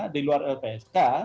di luar lpsk